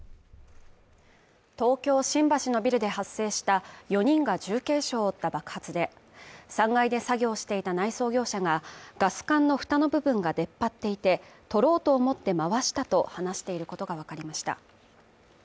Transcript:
東京・新橋のビルで発生した４人が重軽傷を負った爆発で、３階で作業していた内装業者がガス管の蓋の部分が出っ張っていて取ろうと思って回したと話していることがわかりました